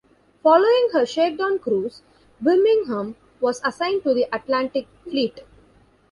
Following her shakedown cruise, "Birmingham" was assigned to the Atlantic Fleet.